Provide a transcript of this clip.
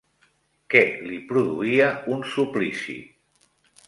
Què li produïa un suplici?